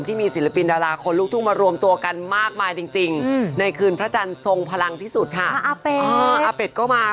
ที่มีศิลปินดาราคนลูกทุ่งมารวมตัวกันมากมายจริงจริงในคืนพระจันทร์ทรงพลังที่สุดค่ะ